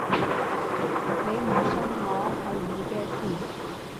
你唔信我係你嘅事